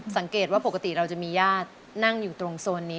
สังเกตว่าปกติเราจะมีญาตินั่งอยู่ตรงโซนนี้